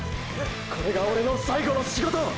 これがオレの最後の仕事！